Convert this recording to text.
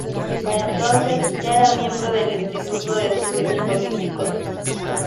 Para entonces ya era miembro del Instituto de Estudios Políticos.